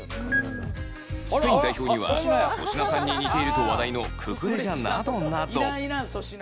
スペイン代表には粗品さんに似ていると話題のククレジャなどなど。